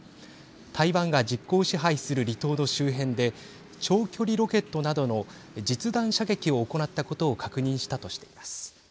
台湾が実効支配する離島の周辺で長距離ロケットなどの実弾射撃を行ったことを確認したとしています。